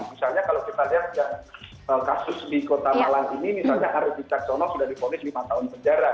misalnya kalau kita lihat kasus di kota malang ini misalnya ariefi caksono sudah di vonis lima tahun penjara